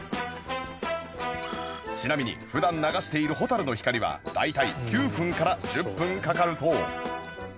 ちなみに普段流している『蛍の光』は大体９分から１０分かかるそう